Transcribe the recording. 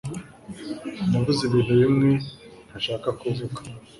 Navuze ibintu bimwe ntashakaga kuvuga